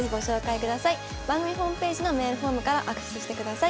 番組ホームページのメールフォームからアクセスしてください。